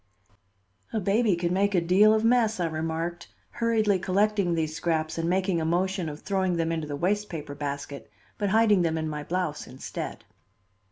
"A baby can make a deal of mess," I remarked, hurriedly collecting these scraps and making a motion of throwing them into the waste paper basket, but hiding them in my blouse instead.